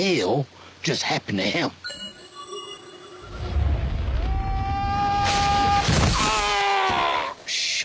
よし。